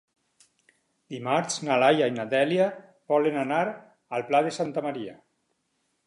Dimarts na Laia i na Dèlia volen anar al Pla de Santa Maria.